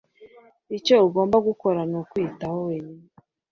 Icyo ugomba gukora nukwiyitaho wenyine.